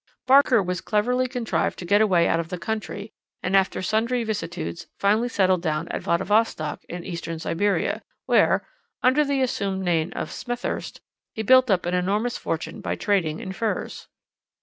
Barker very cleverly contrived to get away out of the country, and, after sundry vicissitudes, finally settled down at Vladivostok, in Eastern Siberia, where, under the assumed name of Smethurst, he built up an enormous fortune by trading in furs.